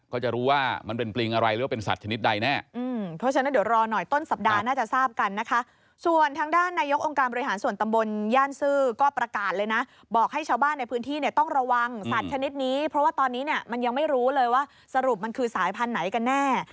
ก็จะรู้ว่ามันเป็นปลิงอะไรหรือว่าเป็นสัตว์ชนิดใดแน่